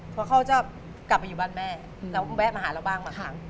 เพราะเขาจะกลับไปอยู่บ้านแม่แล้วแวะมาหาเราบ้างบางครั้ง